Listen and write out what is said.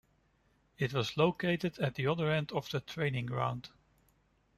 It was located at the other end of the training ground.